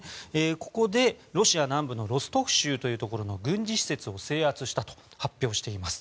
ここでロシア南部のロストフ州というところの軍事施設を制圧したと発表しています。